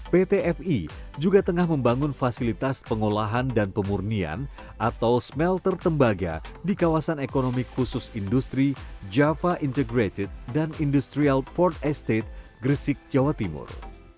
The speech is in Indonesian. pt fi juga tengah membangun fasilitas pengolahan dan pemurnian atau smelter tembaga di kawasan ekonomi khusus industri java integrated dan industrial port estate gresik jawa timur